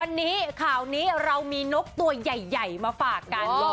วันนี้ข่าวนี้เรามีนกตัวใหญ่มาฝากกัน